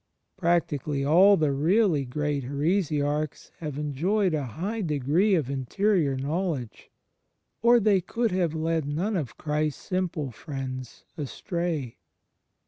Practically all the really great heresiarchs have enjoyed a high degree of interior knowl edge, or they could have led none of Christ's simple friends astray.